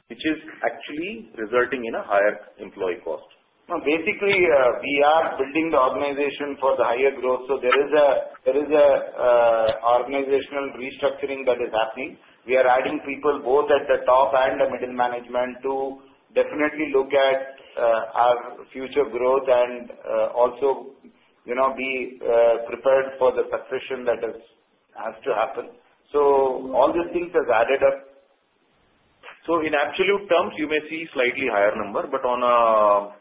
which is actually resulting in a higher employee cost. Now, basically, we are building the organization for the higher growth. So there is an organizational restructuring that is happening. We are adding people both at the top and the middle management to definitely look at our future growth and also be prepared for the succession that has to happen. So all these things have added up. So in absolute terms, you may see slightly higher number, but on a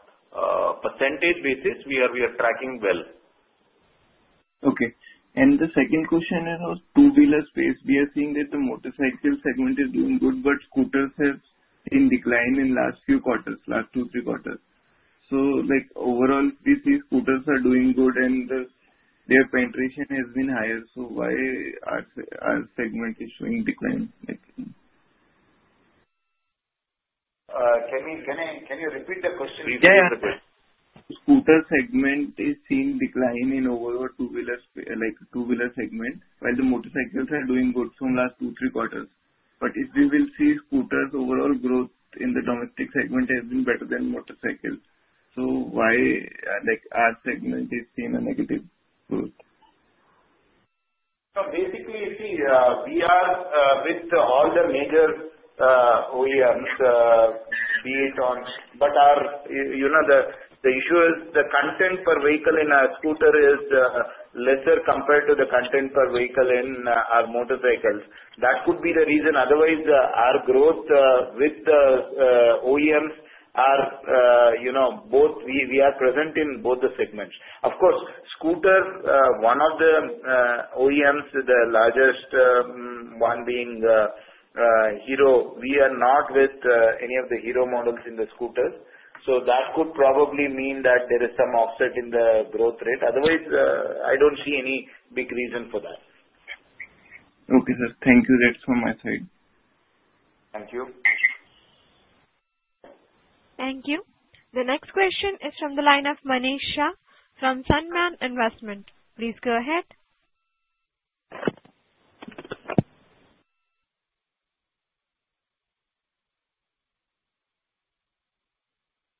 percentage basis, we are tracking well. Okay. And the second question is on two-wheeler space. We are seeing that the motorcycle segment is doing good, but scooters have been declining in the last two, three quarters. So overall, we see scooters are doing good, and their penetration has been higher. So why are our segment is showing decline? Can you repeat the question? Scooter segment is seeing decline in overall two-wheeler segment, while the motorcycles are doing good from last two, three quarters. But if we will see scooters, overall growth in the domestic segment has been better than motorcycles. So why our segment is seeing a negative growth? So, basically, see, we are with all the major OEMs, be it Honda. But the issue is the content per vehicle in our scooter is lesser compared to the content per vehicle in our motorcycles. That could be the reason. Otherwise, our growth with the OEMs are both we are present in both the segments. Of course, scooter, one of the OEMs, the largest one being Hero, we are not with any of the Hero models in the scooters. So that could probably mean that there is some offset in the growth rate. Otherwise, I don't see any big reason for that. Okay, sir. Thank you. That's from my side. Thank you. Thank you. The next question is from the line of Manisha from Sunidhi Securities. Please go ahead.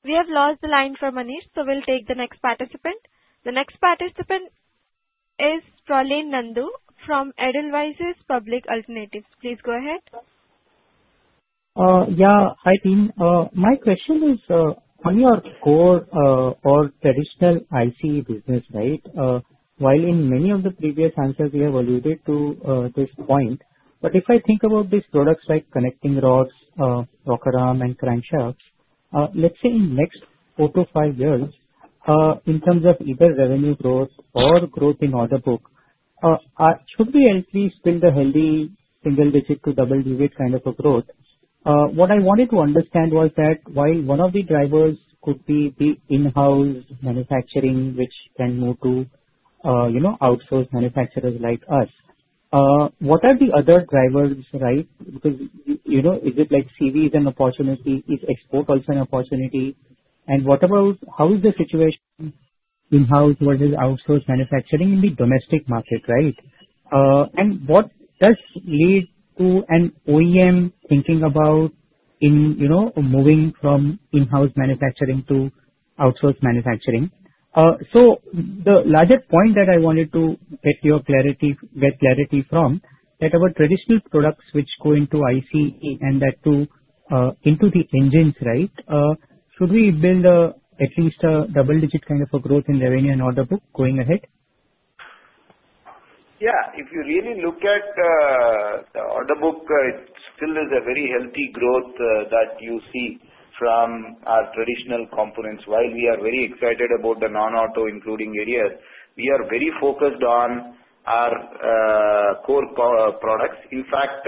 We have lost the line for Manisha, so we'll take the next participant. The next participant is Prolin Nandu from Edelweiss Public Alternatives. Please go ahead. Yeah. Hi, team. My question is, on your core or traditional ICE business, right? While in many of the previous answers, we have alluded to this point, but if I think about these products like connecting rods, rocker arms, and crankshafts, let's say in the next four to five years, in terms of either revenue growth or growth in order book, should we at least build a heavy single-digit to double-digit kind of a growth? What I wanted to understand was that while one of the drivers could be the in-house manufacturing, which can move to outsource manufacturers like us, what are the other drivers, right? Because is it like CV is an opportunity? Is export also an opportunity? And how is the situation in-house versus outsource manufacturing in the domestic market, right? And what does lead to an OEM thinking about moving from in-house manufacturing to outsource manufacturing? So the logic point that I wanted to get your clarity from, that our traditional products which go into ICE and into the engines, right, should we build at least a double-digit kind of a growth in revenue and order book going ahead? Yeah. If you really look at the order book, it still is a very healthy growth that you see from our traditional components. While we are very excited about the non-auto including areas, we are very focused on our core products. In fact,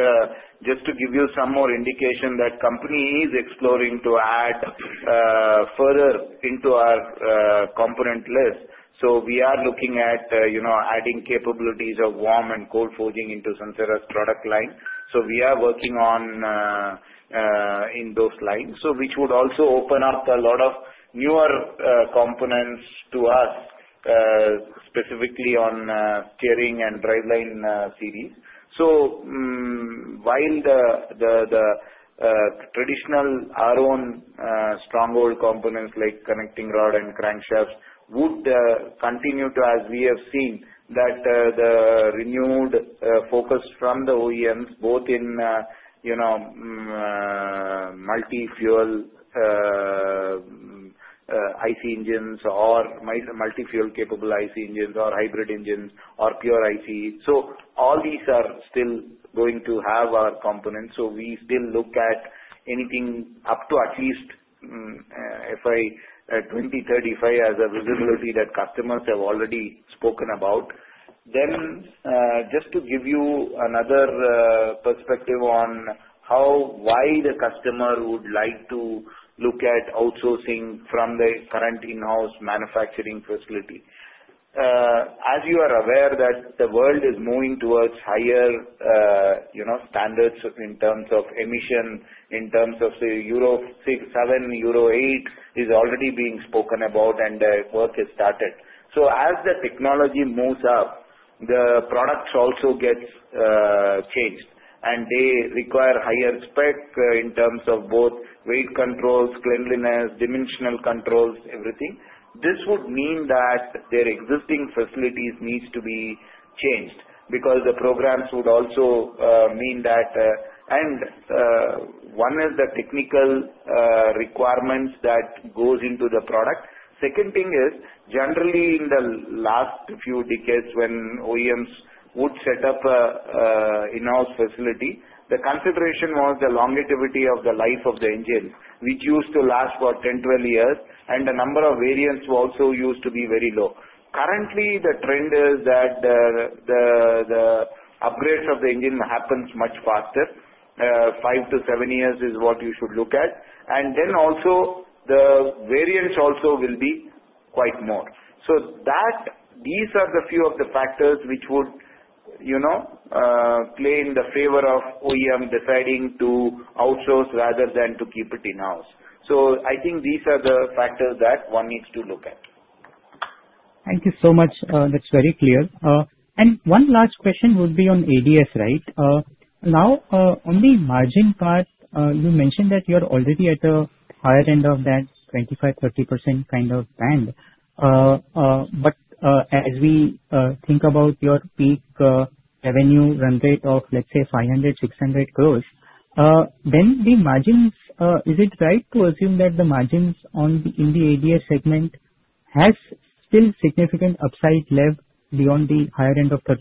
just to give you some more indication that the company is exploring to add further into our component list. So we are looking at adding capabilities of warm and cold forging into Sansera's product line. So we are working in those lines, which would also open up a lot of newer components to us, specifically on steering and driveline series. So while the traditional, our own stronghold components like connecting rod and crankshaft would continue to, as we have seen, that the renewed focus from the OEMs, both in multi-fuel ICE engines or multi-fuel capable ICE engines or hybrid engines or pure ICE. All these are still going to have our components. We still look at anything up to at least FY 2035 as a visibility that customers have already spoken about. Then just to give you another perspective on why the customer would like to look at outsourcing from the current in-house manufacturing facility. As you are aware, the world is moving towards higher standards in terms of emissions, in terms of Euro VI, VII, Euro VIII is already being spoken about, and work has started. As the technology moves up, the products also get changed, and they require higher spec in terms of both weight controls, cleanliness, dimensional controls, everything. This would mean that their existing facilities needs to be changed because the programs would also mean that. One is the technical requirements that go into the product. Second thing is, generally, in the last few decades, when OEMs would set up an in-house facility, the consideration was the longevity of the life of the engine, which used to last for 10, 12 years, and a number of variants also used to be very low. Currently, the trend is that the upgrades of the engine happen much faster. Five to seven years is what you should look at. And then also, the variants also will be quite more. So these are the few of the factors which would play in the favor of OEM deciding to outsource rather than to keep it in-house. So I think these are the factors that one needs to look at. Thank you so much. That's very clear. And one last question would be on ADS, right? Now, on the margin part, you mentioned that you are already at the higher end of that 25% to 30% kind of band. But as we think about your peak revenue run rate of, let's say, 500 to 600 crores, then the margins, is it right to assume that the margins in the ADS segment have still significant upside left beyond the higher end of 30%?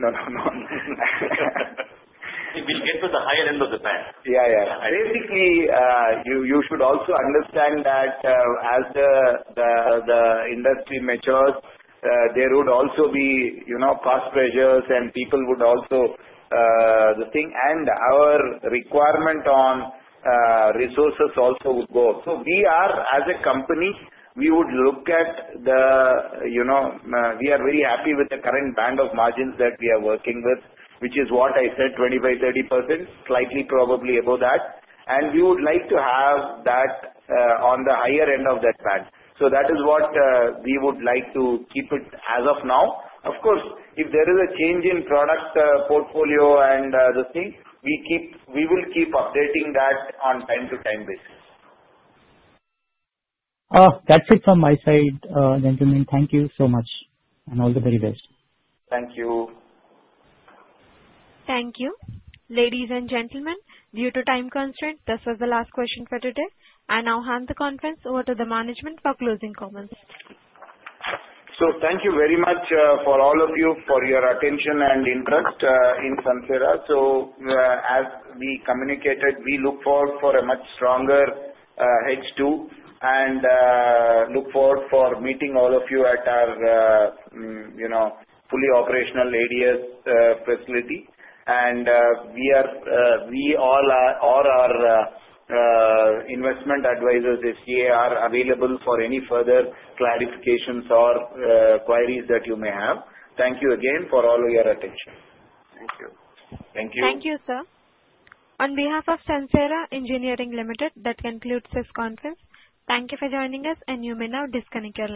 No, no, no. We'll get to the higher end of the band. Yeah, Yeah, Basically, you should also understand that as the industry matures, there would also be cost pressures, and people would also the thing. And our requirement on resources also would go. So we are, as a company, we would look at the we are very happy with the current band of margins that we are working with, which is what I said, 25%-30%, slightly probably above that. And we would like to have that on the higher end of that band. So that is what we would like to keep it as of now. Of course, if there is a change in product portfolio and the thing, we will keep updating that on a time-to-time basis. That's it from my side, gentlemen. Thank you so much and all the very best. Thank you. Thank you. Ladies and gentlemen, due to time constraints, this was the last question for today. I now hand the conference over to the management for closing comments. So, thank you very much for all of you for your attention and interest in Sansera. So as we communicated, we look forward for a much stronger H2 and look forward for meeting all of you at our fully operational ADS facility. And we all are investment advisors this year, are available for any further clarifications or queries that you may have. Thank you again for all of your attention. Thank you. Thank you. Thank you, sir. On behalf of Sansera Engineering Limited, that concludes this conference. Thank you for joining us, and you may now disconnect your.